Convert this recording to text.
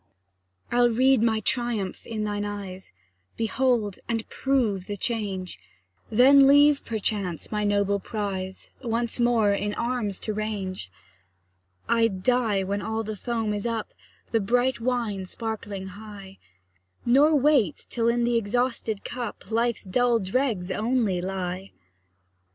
I'll read my triumph in thine eyes, Behold, and prove the change; Then leave, perchance, my noble prize, Once more in arms to range. I'd die when all the foam is up, The bright wine sparkling high; Nor wait till in the exhausted cup Life's dull dregs only lie.